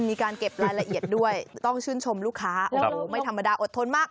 มีการเก็บรายละเอียดด้วยต้องชื่นชมลูกค้าโอ้โหไม่ธรรมดาอดทนมาก